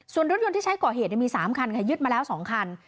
ส่วนรถยนต์ที่ใช้ก่อเหตุมี๓คันค่ะยึดมาแล้ว๒คัน